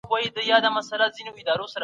په دیني چارو کي ناغړي کول زیان لري.